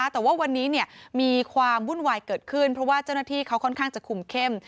แต่ว่าวันนี้มีความวุ่นวายเกิดขึ้นเพราะว่าเจ้าหน้าที่เขาค่อนข้างจะคุมเข้ม